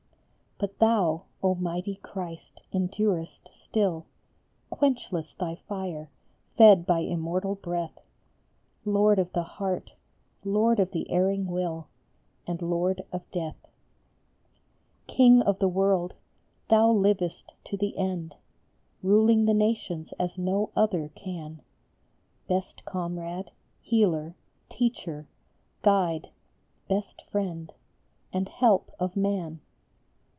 But thou, O mighty Christ, endurest still ; Quenchless thy fire, fed by immortal breath, Lord of the heart, Lord of the erring will, And Lord of Death ! King of the world, thou livest to the end, Ruling the nations as no other can ; Best comrade, healer, teacher, guide, best friend And help of man.